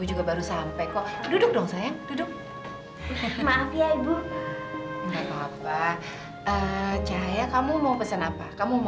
jangan coba coba mendekat